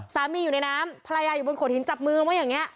สามีอยู่ในน้ำภรรยาอยู่บนขนหินจับมือลงมาอย่างนี้